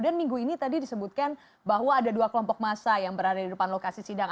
dan minggu ini tadi disebutkan bahwa ada dua kelompok masa yang berada di depan lokasi sindang